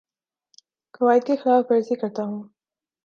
قوائد کی خلاف ورزی کرتا ہوں